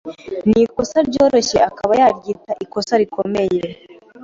n’ikosa ryoroshye akaba yaryita ikosa rikomeye